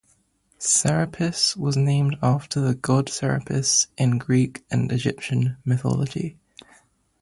"Serapis" was named after the god Serapis in Greek and Egyptian mythology.